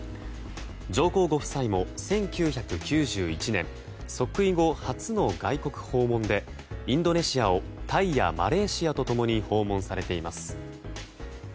上皇ご夫妻も１９９１年即位後初の外国訪問でインドネシアをタイやマレーシアと共に訪問されています。